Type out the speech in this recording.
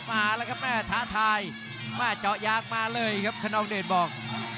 มาแล้วครับแม่ท้าทายมาเจาะยางมาเลยครับขนองเดชบอก